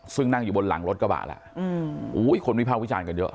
ซึ่งนั่งอยู่บนหลังรถกระบาดคนมีภาควิชาญกันเยอะ